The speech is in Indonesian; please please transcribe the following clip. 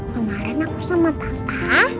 kemarin aku sama papa